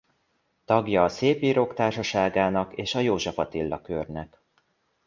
Tagja a Szépírók Társaságának és a József Attila Körnek.